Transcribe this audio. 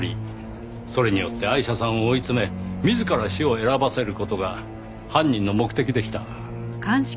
それによってアイシャさんを追い詰め自ら死を選ばせる事が犯人の目的でした。